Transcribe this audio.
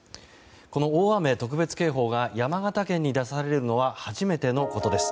この大雨特別警報が山形県に出されるのは初めてのことです。